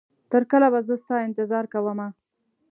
تر کله به زه ستا انتظار کومه